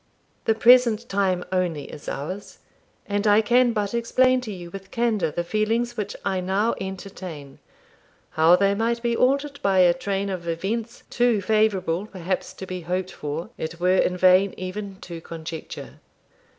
'The present time only is ours, and I can but explain to you with candour the feelings which I now entertain; how they might be altered by a train of events too favourable perhaps to be hoped for, it were in vain even to conjecture.